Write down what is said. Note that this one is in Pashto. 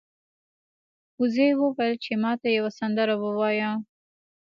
وزې وویل چې ما ته یوه سندره ووایه.